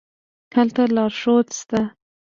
هلته لارښود شته.